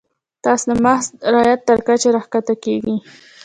تاسو د محض رعیت تر کچې راښکته کیږئ.